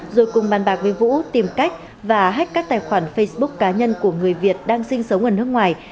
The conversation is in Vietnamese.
rồi cùng bàn bạc với vũ tìm cách và hách các tài khoản facebook cá nhân của người việt đang sinh sống ở nước ngoài